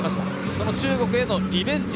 その中国へのリベンジ。